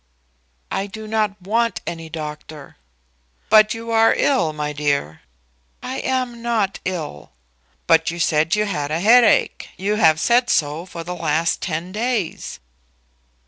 "I do not want any doctor." "But if you are ill, my dear " "I am not ill." "But you said you had a headache. You have said so for the last ten days."